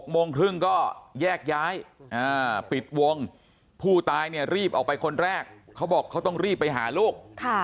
โมงครึ่งก็แยกย้ายปิดวงผู้ตายเนี่ยรีบออกไปคนแรกเขาบอกเขาต้องรีบไปหาลูก